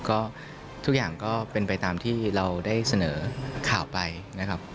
ก็ทุกอย่างก็เป็นไปตามที่เราได้เสนอข่าวไปนะครับ